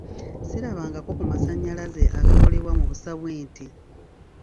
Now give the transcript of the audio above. Sirabangako ku masannyalaze agakolebwa mu busa bw'ente.